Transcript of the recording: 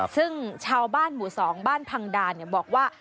ซึ่งชาวบ้านหมู่๒บ้านพังดาบอกว่า